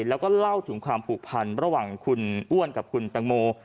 แล้วก็เล่าถึงความผูกพันระหว่างคุณอ้วนกับคุณตังโม